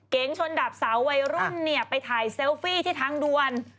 เก๋งชนดับเสาวัยรุ่นไปถ่ายเซลฟี่ที่ทางด่วน